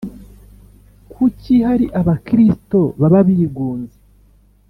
Kuki hari Abakristo baba bigunze